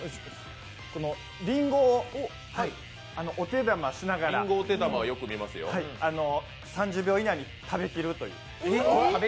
りんごをお手玉しながら３０秒以内に食べきるという。